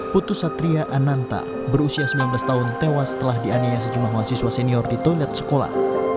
putus satria ananta berusia sembilan belas tahun tewas setelah dianiaya sejumlah mahasiswa senior di toilet sekolah